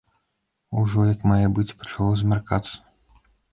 Ужо як мае быць пачало змяркацца.